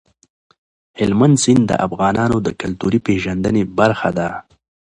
هلمند سیند د افغانانو د کلتوري پیژندنې برخه ده.